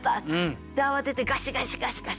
で慌ててガシガシガシガシって。